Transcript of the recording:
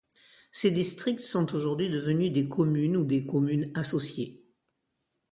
Ces districts sont aujourd'hui devenus des communes ou des communes associées.